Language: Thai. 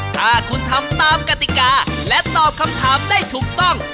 ถ้าคุณทำตามกติกาและตอบคำถามได้ถูกต้อง